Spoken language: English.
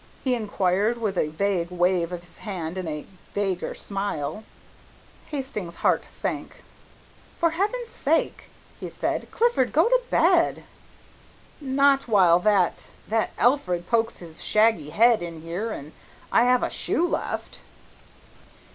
he inquired with a vague wave of his hand and a vaguer smile. Hastings' heart sank. "For Heaven's sake," he said, "Clifford, go to bed." "Not while that that Alfred pokes his shaggy head in here an' I have a shoe left."